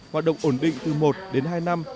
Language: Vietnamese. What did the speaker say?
hoạt động ổn định từ một đến hai năm